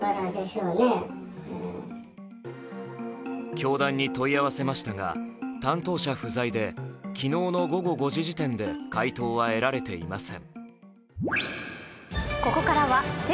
教団に問い合わせましたが担当者不在で昨日の午後５時時点で回答は得られていません。